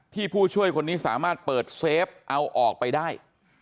ผู้ช่วยคนนี้สามารถเปิดเซฟเอาออกไปได้